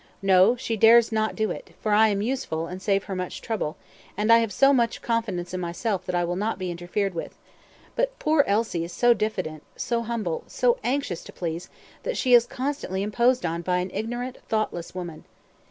"No, she dares not do it; for I am useful, and save her much trouble, and I have so much confidence in myself that I will not be interfered with; but poor Elsie is so diffident, so humble, so anxious to please, that she is constantly imposed on by an ignorant, thoughtless woman.